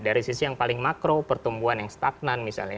dari sisi yang paling makro pertumbuhan yang stagnan misalnya